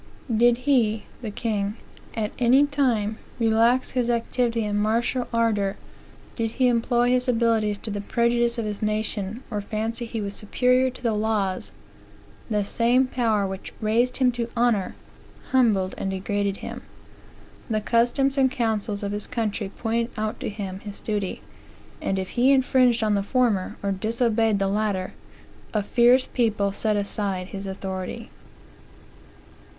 "Did he, (the king,) at any time, relax his activity and martial ardor, did he employ his abilities to the prejudice of his nation, or fancy he was superior to the laws; the same power which raised him to honor, humbled and degraded him. The customs and councils of his country pointed out to him his duty; and if he infringed on the former, or disobeyed the latter, a fierce people set aside his authority.